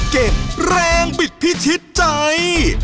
แรงบิดพิชิตใจ